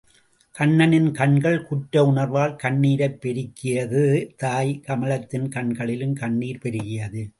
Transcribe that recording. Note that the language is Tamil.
கண்ணனின் கண்கள் குற்ற உணர்வால் கண்ணீரைப் பெருக்கியது தாய் கமலத்தின் கண்களிலும் கண்ணீர் பெருகியது.